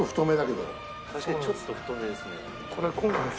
確かにちょっと太めですね。